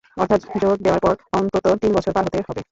অর্থাৎ যোগ দেওয়ার পর অন্তত তিন বছর পার হতে হবে।